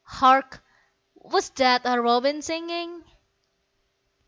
Hark, was that a robin singing?